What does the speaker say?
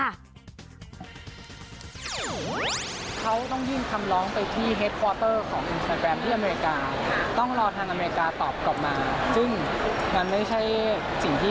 ยังคงต้องตามกันต่อไปนะแต่พีชพัชรายืนยันแน่นอนว่าเอาเรื่องจะเงียบไป